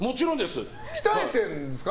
鍛えてるんですか？